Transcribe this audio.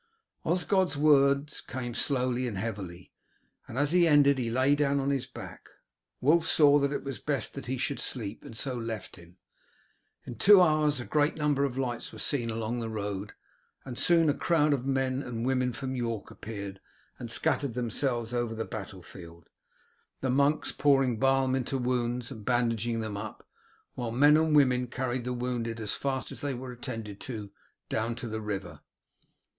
Osgod's words came slowly and heavily, and as he ended he lay down on his back. Wulf saw that it was best that he should sleep, and so left him. In two hours a great number of lights were seen along the road, and soon a crowd of men and women from York appeared and scattered themselves over the battlefield, the monks pouring balm into wounds and bandaging them up, while the men and women carried the wounded, as fast as they were attended to, down to the river.